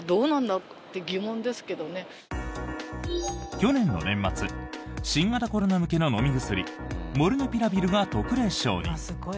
去年の年末新型コロナ向けの飲み薬モルヌピラビルが特例承認。